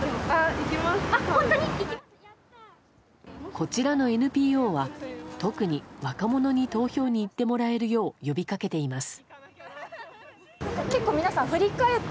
こちらのＮＰＯは特に、若者に投票に行ってもらえるよう呼びかけています。